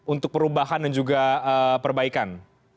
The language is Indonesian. untuk perubahan dan juga perbaikan